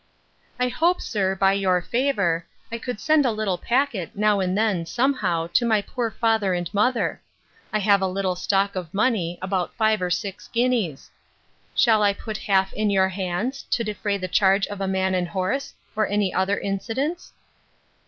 'I hope, sir, by your favour, I could send a little packet, now and then, some how, to my poor father and mother. I have a little stock of money, about five or six guineas: Shall I put half in your hands, to defray the charge of a man and horse, or any other incidents?